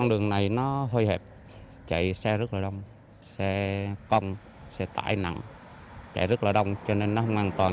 tuy nhiên trên địa bàn huyện